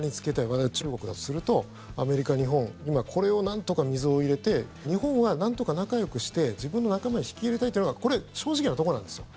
私が中国だとするとアメリカ、日本今、これをなんとか溝を入れて日本はなんとか仲よくして自分の仲間に引き入れたいというのがこれ、正直なところなんですよ。